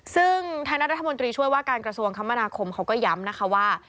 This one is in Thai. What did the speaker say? ซึ่งทางด้านรัฐมนตรีช่วยว่าการกระทรวงคมนาคมเขาก็ย้ำนะคะว่า